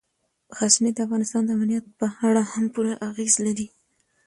غزني د افغانستان د امنیت په اړه هم پوره اغېز لري.